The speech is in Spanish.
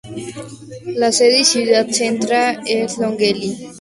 La sede y ciudad centra es Longueuil.